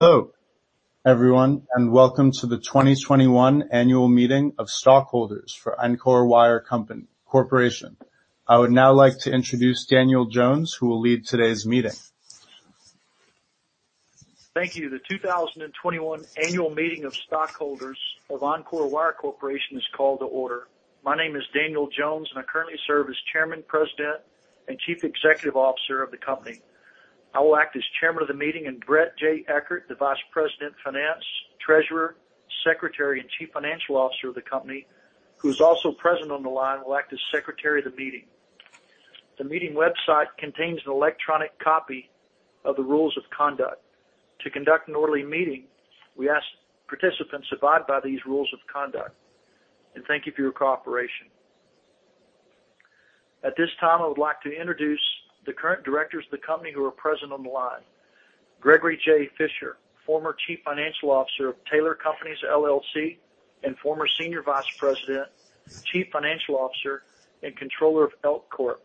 Hello, everyone, and welcome to the 2021 annual meeting of stockholders for Encore Wire Corporation. I would now like to introduce Daniel Jones, who will lead today's meeting. Thank you. The 2021 annual meeting of stockholders of Encore Wire Corporation is called to order. My name is Daniel L. Jones, and I currently serve as Chairman, President, and Chief Executive Officer of the company. I will act as chairman of the meeting, and Bret J. Eckert, the Vice President of Finance, Treasurer, Secretary, and Chief Financial Officer of the company, who's also present on the line, will act as secretary of the meeting. The meeting website contains an electronic copy of the rules of conduct. To conduct an orderly meeting, we ask participants to abide by these rules of conduct. Thank you for your cooperation. At this time, I would like to introduce the current directors of the company who are present on the line. Gregory J. Fisher, former Chief Financial Officer of Taylor Companies, LLC and former Senior Vice President, Chief Financial Officer, and Controller of ElkCorp.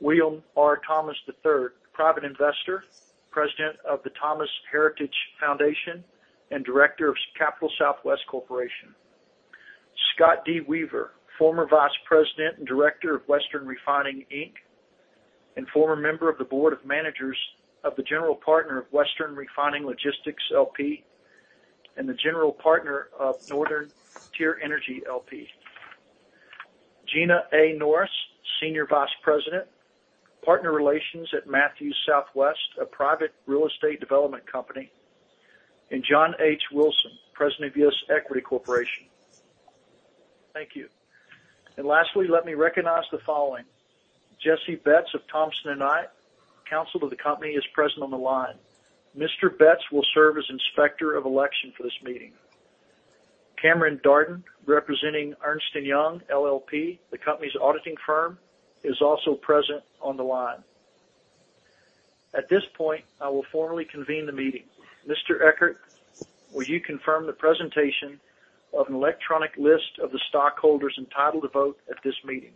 William R. Thomas III, private investor, President of the Thomas Heritage Foundation, and Director of Capital Southwest Corporation. Scott D. Weaver, former Vice President and Director of Western Refining, Inc., and former member of the board of managers of the general partner of Western Refining Logistics, LP and the general partner of Northern Tier Energy LP. Gina A. Norris, Senior Vice President, Partner Relations at Matthews Southwest, a private real estate development company, and John H. Wilson, President of US Equity Corp. Thank you. Lastly, let me recognize the following. Jesse Betts of Thompson & Knight, counsel to the company, is present on the line. Mr. Betts will serve as Inspector of Election for this meeting. Cameron Darden, representing Ernst & Young LLP, the company's auditing firm, is also present on the line. At this point, I will formally convene the meeting. Mr. Eckert, will you confirm the presentation of an electronic list of the stockholders entitled to vote at this meeting?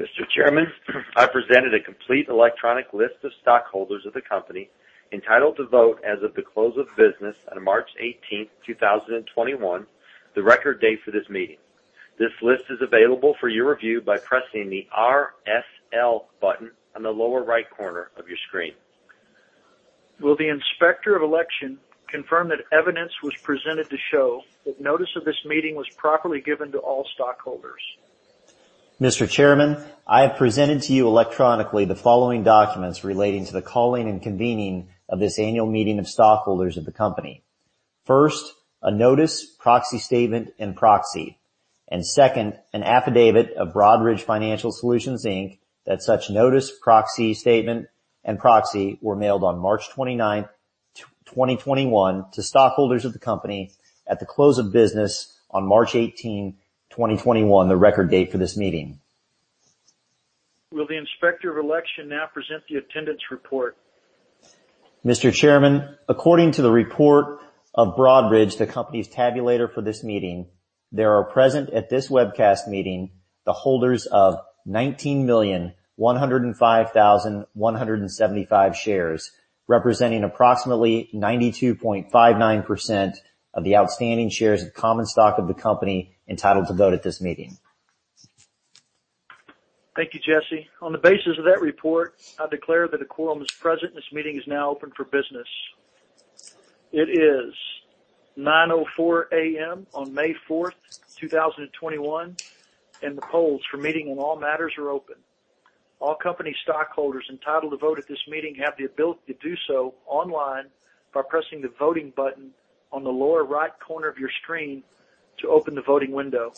Mr. Chairman, I presented a complete electronic list of stockholders of the company entitled to vote as of the close of business on March 18th, 2021, the record date for this meeting. This list is available for your review by pressing the RSL button on the lower right corner of your screen. Will the Inspector of Election confirm that evidence was presented to show that notice of this meeting was properly given to all stockholders? Mr. Chairman, I have presented to you electronically the following documents relating to the calling and convening of this annual meeting of stockholders of the company. First, a notice, proxy statement, and proxy. Second, an affidavit of Broadridge Financial Solutions, Inc. that such notice, proxy statement, and proxy were mailed on March 29th, 2021, to stockholders of the company at the close of business on March 18, 2021, the record date for this meeting. Will the Inspector of Election now present the attendance report? Mr. Chairman, according to the report of Broadridge, the company's tabulator for this meeting, there are present at this webcast meeting the holders of 19,105,175 shares, representing approximately 92.59% of the outstanding shares of common stock of the company entitled to vote at this meeting. Thank you, Jesse. On the basis of that report, I declare that a quorum is present and this meeting is now open for business. It is 9:04 A.M. on May 4th, 2021, and the polls for meeting on all matters are open. All company stockholders entitled to vote at this meeting have the ability to do so online by pressing the Voting button on the lower right corner of your screen to open the voting window.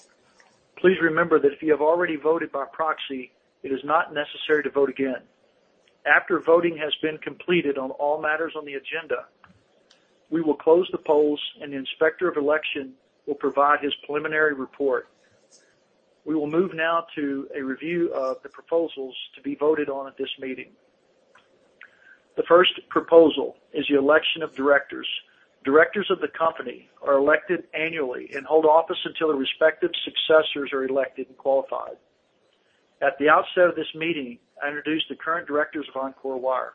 Please remember that if you have already voted by proxy, it is not necessary to vote again. After voting has been completed on all matters on the agenda, we will close the polls and the Inspector of Election will provide his preliminary report. We will move now to a review of the proposals to be voted on at this meeting. The first proposal is the election of directors. Directors of the company are elected annually and hold office until their respective successors are elected and qualified. At the outset of this meeting, I introduced the current directors of Encore Wire.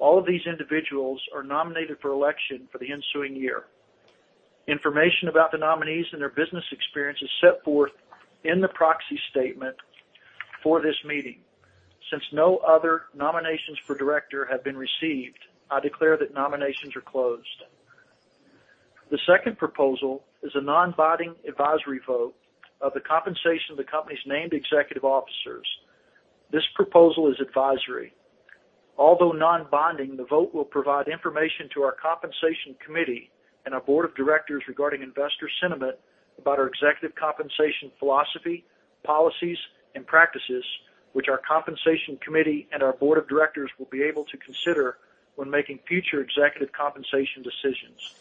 All of these individuals are nominated for election for the ensuing year. Information about the nominees and their business experience is set forth in the proxy statement for this meeting. Since no other nominations for director have been received, I declare that nominations are closed. The second proposal is a non-binding advisory vote of the compensation of the company's named executive officers. This proposal is advisory. Although non-binding, the vote will provide information to our compensation committee and our board of directors regarding investor sentiment about our executive compensation philosophy, policies, and practices, which our compensation committee and our board of directors will be able to consider when making future executive compensation decisions.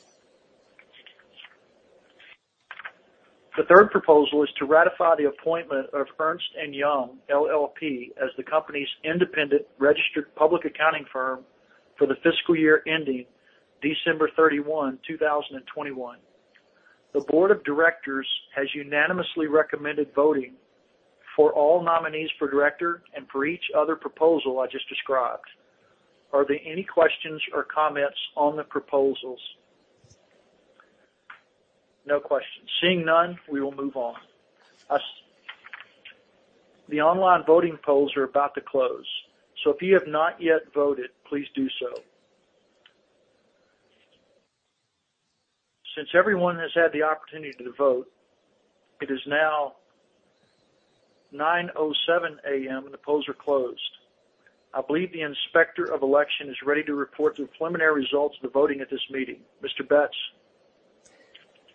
The third proposal is to ratify the appointment of Ernst & Young LLP as the company's independent registered public accounting firm for the fiscal year ending December 31, 2021. The board of directors has unanimously recommended voting for all nominees for director and for each other proposal I just described. Are there any questions or comments on the proposals? No questions. Seeing none, we will move on. The online voting polls are about to close, so if you have not yet voted, please do so. Since everyone has had the opportunity to vote, it is now 9:07 A.M. and the polls are closed. I believe the inspector of election is ready to report the preliminary results of the voting at this meeting. Mr. Betts.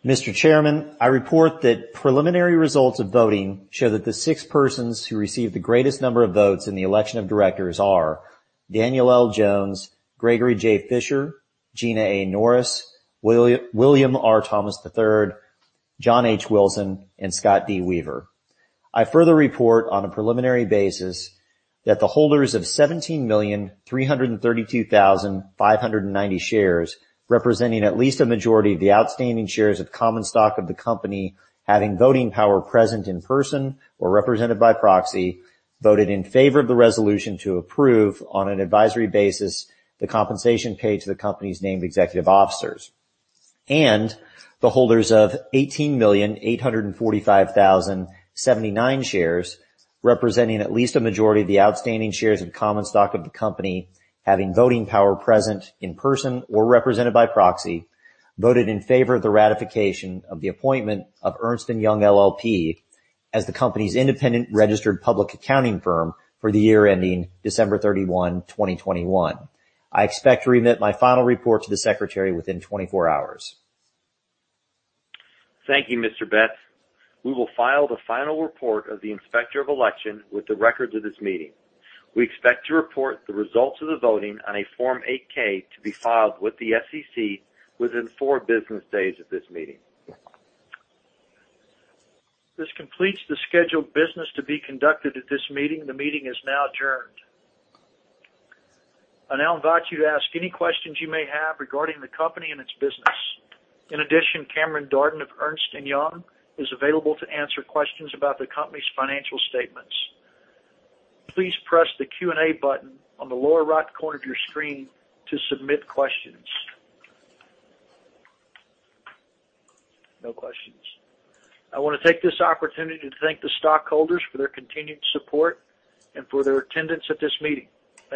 Mr. Chairman, I report that preliminary results of voting show that the six persons who received the greatest number of votes in the election of directors are Daniel L. Jones, Gregory J. Fisher, Gina A. Norris, William R. Thomas III, John H. Wilson, and Scott D. Weaver. I further report on a preliminary basis that the holders of 17,332,590 shares, representing at least a majority of the outstanding shares of common stock of the company having voting power present in person or represented by proxy, voted in favor of the resolution to approve, on an advisory basis, the compensation paid to the company's named executive officers. The holders of 18,845,079 shares, representing at least a majority of the outstanding shares of common stock of the company having voting power present in person or represented by proxy, voted in favor of the ratification of the appointment of Ernst & Young LLP as the company's independent registered public accounting firm for the year ending December 31, 2021. I expect to remit my final report to the Secretary within 24 hours. Thank you, Mr. Betts. We will file the final report of the inspector of election with the records of this meeting. We expect to report the results of the voting on a Form 8-K to be filed with the SEC within four business days of this meeting. This completes the scheduled business to be conducted at this meeting. The meeting is now adjourned. I now invite you to ask any questions you may have regarding the company and its business. In addition, Cameron Darden of Ernst & Young is available to answer questions about the company's financial statements. Please press the Q&A button on the lower right corner of your screen to submit questions. No questions. I want to take this opportunity to thank the stockholders for their continued support and for their attendance at this meeting.